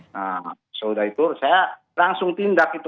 nah sudah itu saya langsung tindak itu